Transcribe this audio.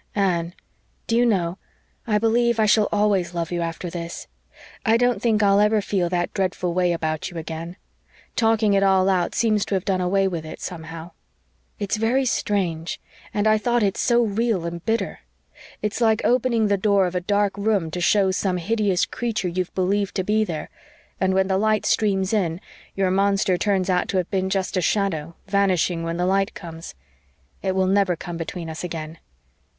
"Anne, do you know, I believe I shall always love you after this. I don't think I'll ever feel that dreadful way about you again. Talking it all out seems to have done away with it, somehow. It's very strange and I thought it so real and bitter. It's like opening the door of a dark room to show some hideous creature you've believed to be there and when the light streams in your monster turns out to have been just a shadow, vanishing when the light comes. It will never come between us again."